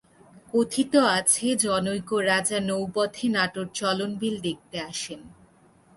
কথিত আছে জনৈক রাজা নৌপথে নাটোর চলন বিল দেখতে আসেন।